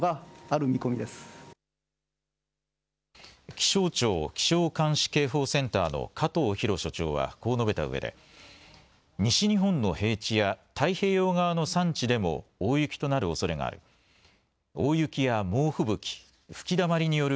気象庁気象監視警報センターの加藤廣所長はこう述べたうえで西日本の平地や太平洋側の山地でも大雪となるおそれがある。